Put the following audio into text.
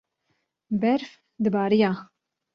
berf dibarîya